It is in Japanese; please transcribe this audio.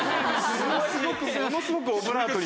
ものすごくものすごくオブラートに。